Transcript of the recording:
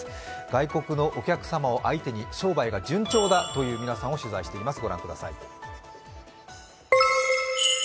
外国のお客様を相手に商売が順調だという皆さんを取材しています。